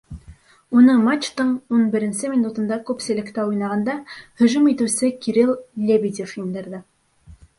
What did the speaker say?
Уны матчтың ун беренсе минутында күпселектә уйнағанда һөжүм итеүсе Кирилл Лебедев индерҙе.